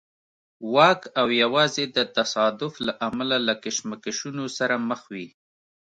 واک او یوازې د تصادف له امله له کشمکشونو سره مخ وي.